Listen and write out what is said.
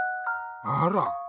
あら。